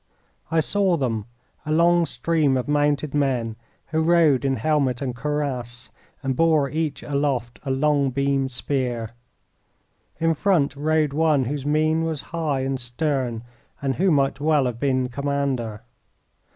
I saw them a long stream of mounted men, who rode in helmet and cuirass, and bore each aloft a long beamed spear. In front rode one whose mien was high and stern, and who might well have been commander.